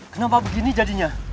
kenapa begini jadinya